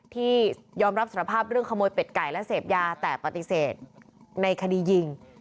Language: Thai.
ที่ยอมรับสารภาพเรื่องขโมยเป็ดไก่และเสพยาแต่ปฏิเสธในคดียิง